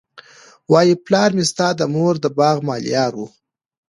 وايي پلار مي ستا د مور د باغ ملیار وو